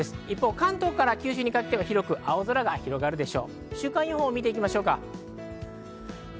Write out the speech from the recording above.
関東から九州にかけては広く青空が広がるでしょう。